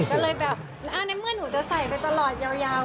ก็เลยแบบในเมื่อหนูจะใส่ไปตลอดยาว